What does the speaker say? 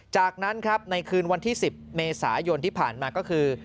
จากนั้นครับในคืนวันที่๑๐เมษายนที่ผ่านมาก็คือ